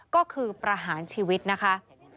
ก็คือประหารชีวิตนะคะ